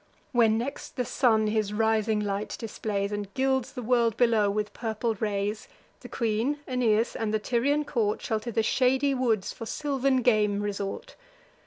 When next the Sun his rising light displays, And gilds the world below with purple rays, The queen, Aeneas, and the Tyrian court Shall to the shady woods, for sylvan game, resort.